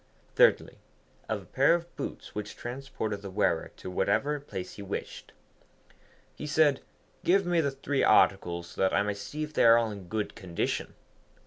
Thirdly, of a pair of boots which transported the wearer to whatever place he wished. He said, 'Give me the three articles so that I may see if they are all in good condition.'